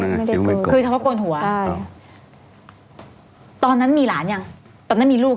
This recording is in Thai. ไม่ได้โกนคือเฉพาะโกนหัวใช่ตอนนั้นมีหลานยังตอนนั้นมีลูก